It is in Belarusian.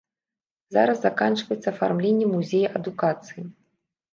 Зараз заканчваецца афармленне музея адукацыі.